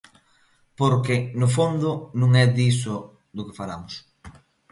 Porque, no fondo, non é diso do que falamos.